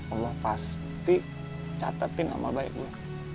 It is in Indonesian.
allah pasti catetin sama baik gue